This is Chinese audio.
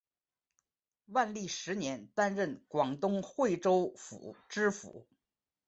万历十年担任广东惠州府知府。